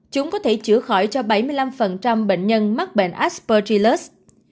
chúng có thể chữa khỏi cho bảy mươi năm bệnh nhân mắc bệnh aspergillus